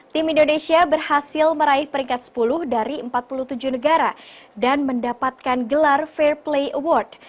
tim indonesia berhasil meraih peringkat sepuluh dari empat puluh tujuh negara dan mendapatkan gelar fair play award